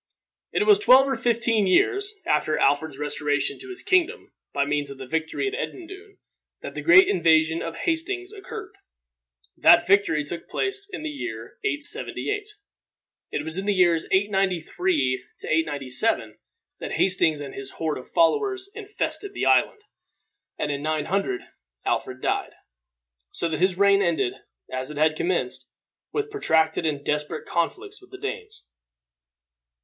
It was twelve or fifteen years after Alfred's restoration to his kingdom, by means of the victory at Edendune, that the great invasion of Hastings occurred. That victory took place in the year 878. It was in the years 893 897 that Hastings and his horde of followers infested the island, and in 900 Alfred died, so that his reign ended, as it had commenced, with protracted and desperate conflicts with the Danes.